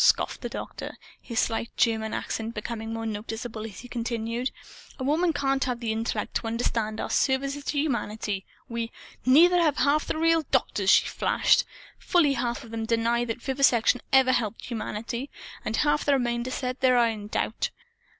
scoffed the Doctor, his slight German accent becoming more noticeable as he continued: "A woman can't have the intellect to understand our services to humanity. We " "Neither have half the real doctors!" she flashed. "Fully half of them deny that vivisection ever helped humanity. And half the remainder say they are in doubt.